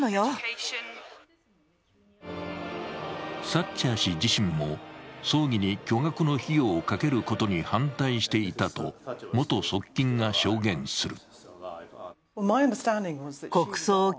サッチャー氏自身も葬儀に巨額の費用をかけることに反対していたと元側近が証言する。